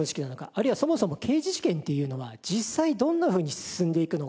あるいは「そもそも刑事事件っていうのは実際どんなふうに進んでいくのか？」。